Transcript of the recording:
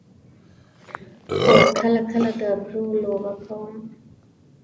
هو، کله کله د پرو لوبه کوم